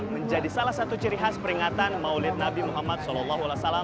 menjadi salah satu ciri khas peringatan maulid nabi muhammad saw